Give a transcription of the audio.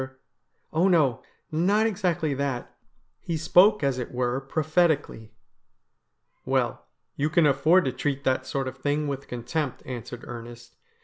THE BRIDE OF DEATH 101 ' Oh, no, not exactly that. He spoke as it were prophetic ally.' ' Well, you can afford to treat that sort of thing with con tempt,' answered Ernest.